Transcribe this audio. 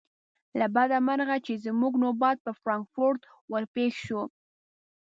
له بده مرغه چې زموږ نوبت پر فرانکفورت ور پیښ شو.